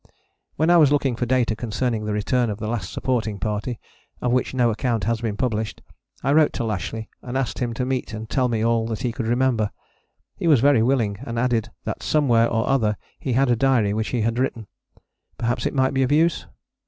When I was looking for data concerning the return of the Last Supporting Party of which no account has been published, I wrote to Lashly and asked him to meet and tell me all he could remember. He was very willing, and added that somewhere or other he had a diary which he had written: perhaps it might be of use?